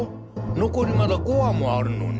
残りまだ５話もあるのに。